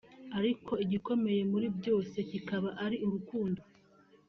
Ariko igikomeye muri byose kikaba ari urukundo